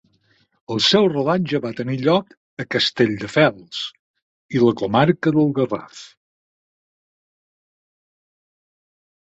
El seu rodatge va tenir lloc a Castelldefels i la comarca del Garraf.